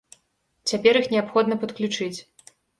Цяпер іх неабходна падключыць.